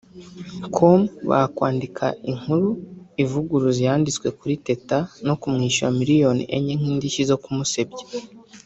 com bakwandika inkuru ivuguruza iyanditswe kuri Teta no kumwishyura miliyoni enye nk’indishyi zo kumusebya